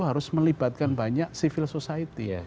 harus melibatkan banyak civil society